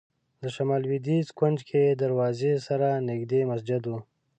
د شمال لوېدیځ کونج کې دروازې سره نږدې مسجد و.